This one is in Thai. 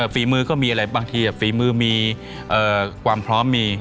ฝีมือก็มีอะไรบางทีฝีมือมีความพร้อมมี